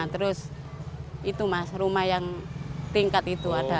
terus itu mas rumah yang tingkat itu ada